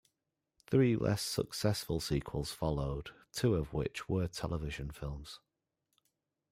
Three less successful sequels followed, two of which were television films.